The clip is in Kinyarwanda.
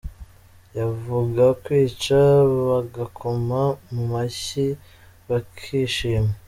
Yavuga kwica bagakoma mu mashyi bakishima!